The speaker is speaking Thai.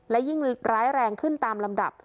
และยิ่งร้ายแรงขึ้นตามลำดับ